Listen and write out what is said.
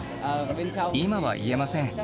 今は言えません。